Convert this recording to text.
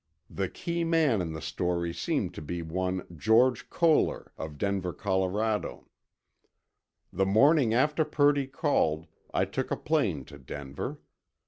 They key man in the story seemed to be one George Koehler, of Denver, Colorado. The morning after Purdy called, I took a plane to Denver.